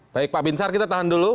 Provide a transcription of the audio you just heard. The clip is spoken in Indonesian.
baik pak bin sar kita tahan dulu